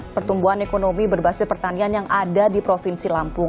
pertumbuhan ekonomi berbasis pertanian yang ada di provinsi lampung